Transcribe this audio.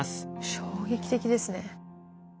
衝撃的ですね。